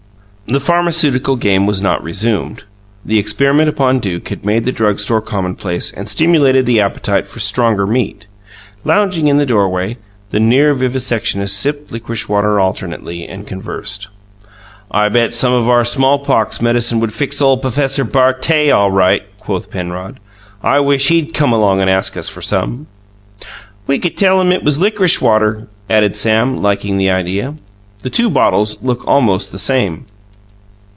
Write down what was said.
The pharmaceutical game was not resumed; the experiment upon Duke had made the drug store commonplace and stimulated the appetite for stronger meat. Lounging in the doorway, the near vivisectionists sipped licorice water alternately and conversed. "I bet some of our smallpox medicine would fix ole P'fessor Bartet all right!" quoth Penrod. "I wish he'd come along and ask us for some." "We could tell him it was lickrish water," added Sam, liking the idea. "The two bottles look almost the same."